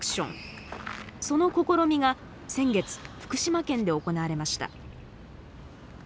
その試みが先月、福島県で行われました。